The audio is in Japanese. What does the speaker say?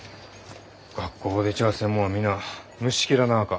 学校を出ちゃあせん者は皆虫けらながか？